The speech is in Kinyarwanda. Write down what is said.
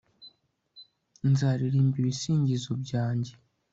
Nzaririmba ibisingizo byanjye